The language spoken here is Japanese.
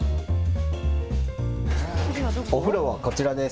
お風呂はこちらです。